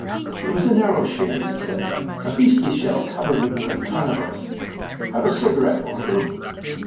"It was a narrow shave," he said. "A beastly shell covered me with a ton of earth... Have a cigarette, won't you?"